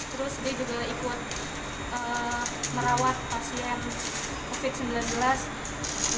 terus dia juga ikut merawat pasien covid sembilan belas